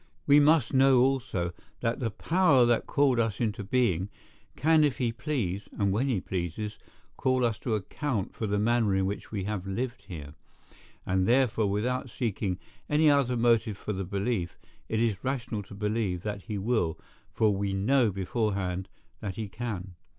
We must know also, that the power that called us into being, can if he please, and when he pleases, call us to account for the manner in which we have lived here; and therefore without seeking any other motive for the belief, it is rational to believe that he will, for we know beforehand that he can.